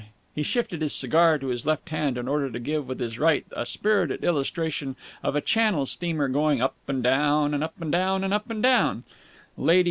He shifted his cigar to his left hand in order to give with his right a spirited illustration of a Channel steamer going up and down and up and down and up and down.